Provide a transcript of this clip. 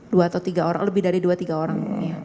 dua atau tiga orang lebih dari dua tiga orang